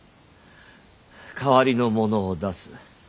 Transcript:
代わりの者を出す。